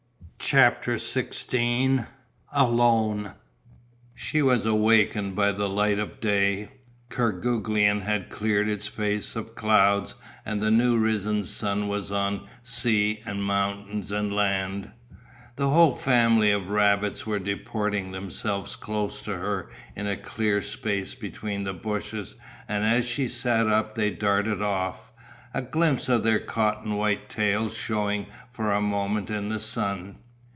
CHAPTER XVI ALONE She was awakened by the light of day. Kerguelen had cleared its face of clouds and the new risen sun was on sea and mountains and land. A whole family of rabbits were disporting themselves close to her in a clear space between the bushes and as she sat up they darted off, a glimpse of their cotton white tails shewing for a moment in the sun.